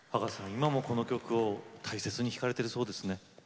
今もこの曲を大切に弾かれているそうですね。